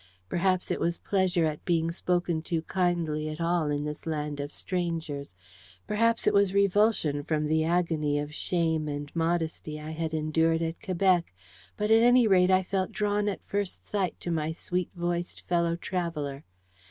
Perhaps it was pleasure at being spoken to kindly at all in this land of strangers; perhaps it was revulsion from the agony of shame and modesty I had endured at Quebec; but, at any rate, I felt drawn at first sight to my sweet voiced fellow traveller.